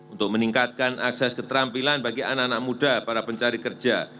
untuk meningkatkan akses keterampilan bagi anak anak muda para pencari kerja